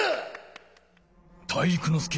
体育ノ介。